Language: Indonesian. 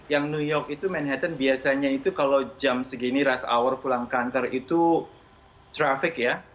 yang new york itu manhattan biasanya itu kalau jam segini rush hour pulang kantor itu traffic ya